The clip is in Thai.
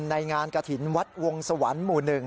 ในงานกระถิ่นวัดวงสวรรค์หมู่๑